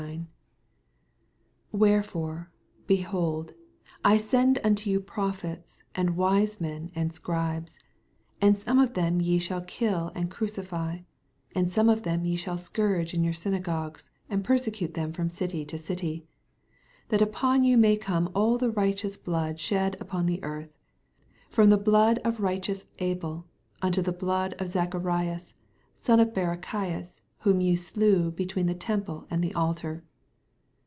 84 Wherefore, behold, I send unto jou prophets, and wise men, and Scribes : and tome of them ye shall kill and crucify j and same of them shall ye scourge m your synagogues, and persecute thmn from city to city : 85 That upon yon mar come all the righteous blood shed upon the earth, from the blood of righteous Abel unto the blood of Zacharias son of Barachias, whom ye slew between the temple and the altar.